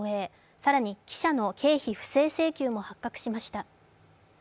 更に記者の不正請求も発覚しました。